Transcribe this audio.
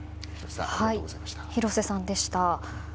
広瀬さんでした。